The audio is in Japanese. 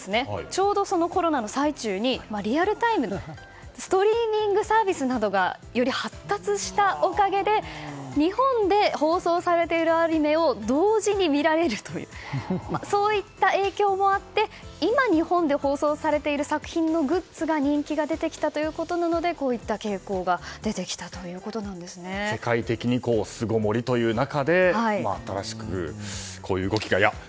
ちょうど、コロナの最中にリアルタイムストリーミングサービスなどがより発達したおかげで日本で放送されているアニメを同時に見られるというそういった影響もあって今、日本で放送されている作品のグッズの人気が出てきたということなのでこういった傾向が世界的に巣ごもりという中で新しく、こういう動きがと。